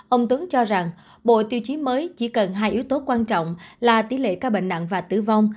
ông tuấn cho rằng bộ tiêu chí mới chỉ cần hai yếu tố quan trọng là tỷ lệ ca bệnh nặng và tử vong